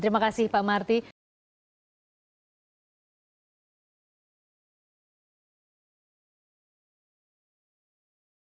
terima kasih pak marty